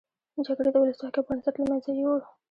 جګړې د ولسواکۍ بنسټ له مینځه یوړ.